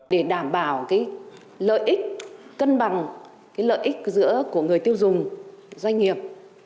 để đảm bảo lợi ích cân bằng lợi ích giữa của người tiêu dùng doanh nghiệp